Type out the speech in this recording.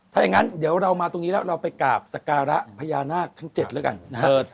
ถ้าอย่างนั้นเดี๋ยวเรามาตรงนี้แล้วเราไปกราบสการะพญานาคทั้ง๗แล้วกันนะฮะ